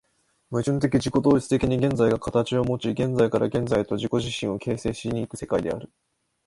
矛盾的自己同一的に現在が形をもち、現在から現在へと自己自身を形成し行く世界である。